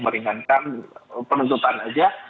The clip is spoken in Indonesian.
meringankan penutupan saja